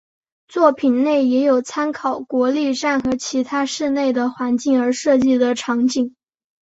作品内也有参考国立站和其他市内的环境而设计的场景。